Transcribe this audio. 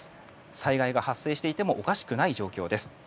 災害が発生していてもおかしくない状況です。